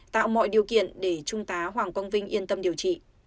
tạo mọi điều kiện để trung tá hoàng quang vinh yên tâm điều trị